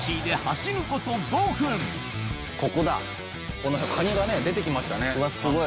この辺カニが出てきましたね。